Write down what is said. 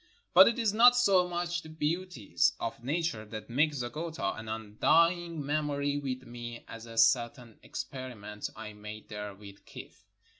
But it is not so much the beauties of nature that make Zeggota an undying memory with me as a certain ex periment I made there with kijff.